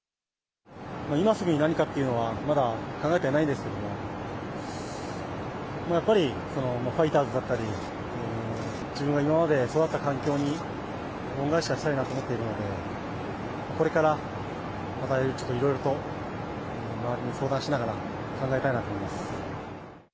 今すぐに何かっていうのは、まだ考えていないんですけど、やっぱりファイターズだったり、自分が今まで育った環境に恩返しがしたいなと思っているので、これからまたちょっといろいろと、周りに相談しながら考えたいなと思います。